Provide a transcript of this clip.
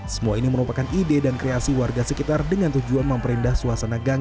semua ini merupakan ide dan kreasi warga sekitar dengan tujuan memperindah suasana gang